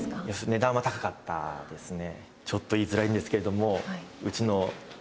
値段は高かったですね。